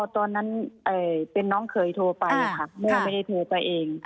ตอนนั้นเป็นน้องเคยโทรไปค่ะโม่ไม่ได้โทรไปเอง